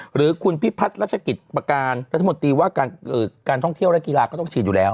หรือคุณพิพัฒน์รัชกิจประการรัฐมนตรีว่าการท่องเที่ยวและกีฬาก็ต้องฉีดอยู่แล้ว